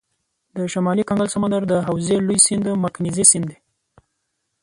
د شمالي کنګل سمندر د حوزې لوی سیند مکنزي سیند دی.